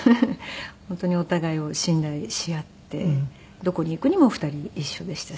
本当にお互いを信頼しあってどこに行くにも２人一緒でしたし。